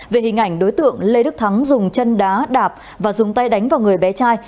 về hình ảnh đối tượng lê đức thắng dùng chân đá đạp và dùng tay đánh vào người bé trai